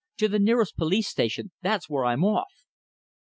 "To the nearest police station! That's where I'm off."